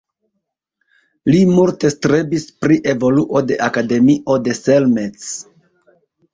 Li multe strebis pri evoluo de Akademio de Selmec.